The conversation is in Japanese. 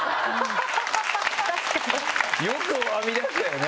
よく編み出したよね！